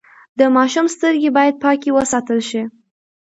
د ماشوم سترګې باید پاکې وساتل شي۔